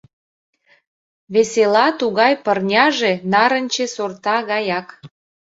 Весела тугай пырняже — нарынче сорта гаяк.